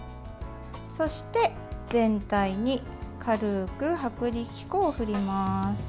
そして、全体に軽く薄力粉を振ります。